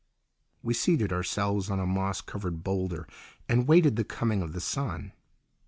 We seated ourselves on a moss covered boulder and waited the coming of the sun.